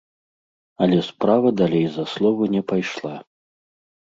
Але справа далей за словы не пайшла.